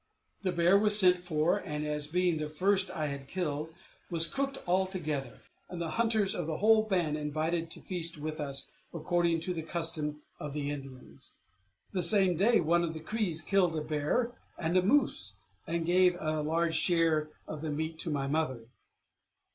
The bear was sent for, and, as being the first I had killed, was cooked all together, and the hunters of the whole band invited to feast with us, according to the custom of the Indians. The same day one of the Crees killed a bear and a moose, and gave a large share of the meat to my mother.